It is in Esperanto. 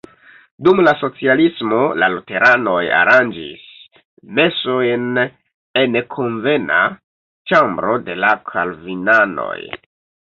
Dum la socialismo la luteranoj aranĝis mesojn en konvena ĉambro de la kalvinanoj.